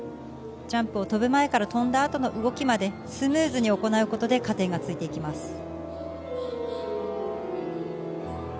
ジャンプを跳ぶ前から跳んだ後の動きまでスムーズに行うことで加点がついていきます。